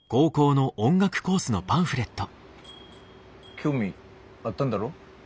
興味あったんだろ？